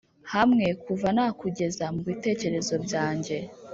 hamwe kuva nakugeza mubitekerezo byanjye